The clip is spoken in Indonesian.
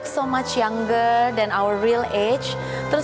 menarik lebih dari usia kita